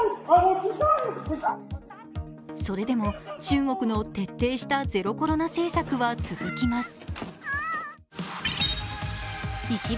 それでも、中国の徹底したゼロコロナ政策は続きます。